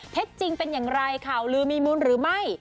เท็จจริงเป็นอย่างไรข่าวลืมีมุ้นหรือไม่